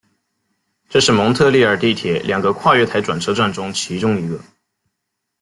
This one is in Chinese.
这是蒙特利尔地铁两个跨月台转车站中其中一个。